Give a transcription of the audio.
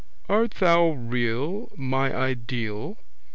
_Art thou real, my ideal?